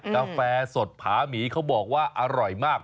กาแฟสดผาหมีเขาบอกว่าอร่อยมาก